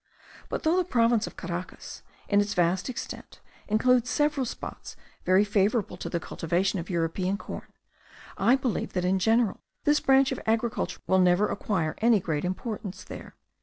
But, though the province of Caracas, in its vast extent, includes several spots very favourable to the cultivation of European corn, I believe that in general this branch of agriculture will never acquire any great importance there.